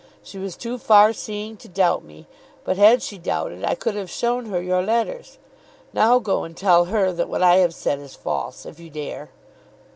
She was too far seeing to doubt me, but had she doubted, I could have shown her your letters. Now go and tell her that what I have said is false, if you dare."